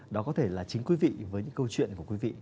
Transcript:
đó có thể là chính quý vị với những câu chuyện của quý vị